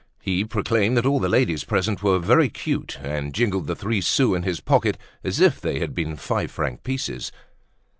He proclaimed that all the ladies present were very cute, and jingled the three sous in his pocket as if they had been five franc pieces.